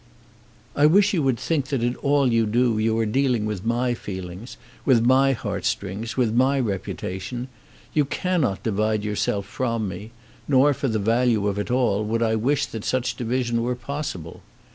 "I wish you would think that in all that you do you are dealing with my feelings, with my heartstrings, with my reputation. You cannot divide yourself from me; nor, for the value of it all, would I wish that such division were possible.